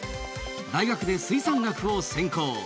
大学で水産学を専攻。